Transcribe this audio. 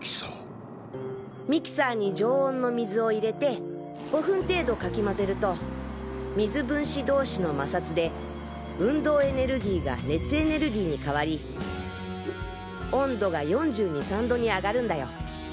ミキサーに常温の水を入れて５分程度かき混ぜると水分子同士の摩擦で運動エネルギーが熱エネルギーに変わり温度が４２４３度に上がるんだよ。